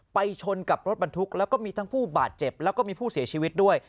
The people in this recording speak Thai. ชนกับรถบรรทุกแล้วก็มีทั้งผู้บาดเจ็บแล้วก็มีผู้เสียชีวิตด้วย